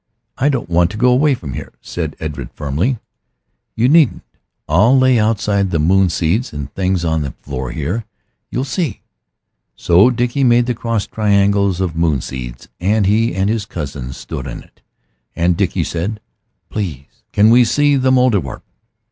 "I don't want to go away from here," said Edred firmly. "You needn't. I'll lay out the moon seeds and things on the floor here you'll see." So Dickie made the crossed triangles of moon seeds and he and his cousins stood in it and Dickie said, "Please can we see the Mouldierwarp?"